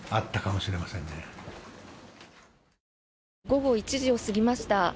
午後１時を過ぎました。